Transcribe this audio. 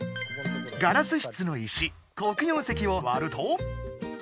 ガラスしつの石黒曜石をわると。